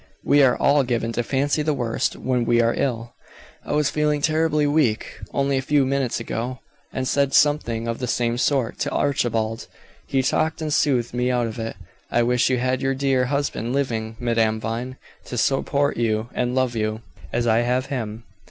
"We are all given to fancy the worst when we are ill. I was feeling terribly weak, only a few minutes ago, and said something of the same sort to Archibald. He talked and soothed me out of it. I wish you had your dear husband living, Madame Vine, to support you and love you, as I have him."